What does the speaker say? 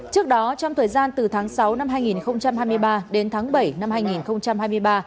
trước đó trong thời gian từ tháng sáu năm hai nghìn hai mươi ba đến tháng bảy năm hai nghìn hai mươi ba